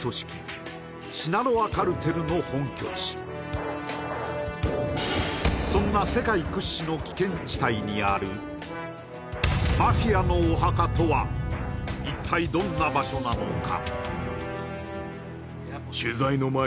いやそう実はそんな世界屈指の危険地帯にあるマフィアのお墓とは一体どんな場所なのか？